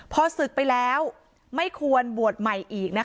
พอศึกไปแล้วไม่ควรบวชใหม่อีกนะคะ